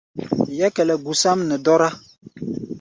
Yɛ́kɛlɛ gusáʼm nɛ dɔ́rá.